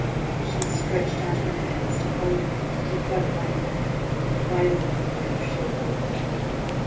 She stretched out her hands to hold him, but he fled away. Wailing with grief she awoke.